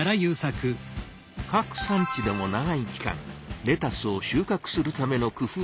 各産地でも長い期間レタスを収穫するための工夫が行われています。